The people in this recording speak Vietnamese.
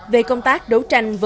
về công tác đấu tranh với tổ chức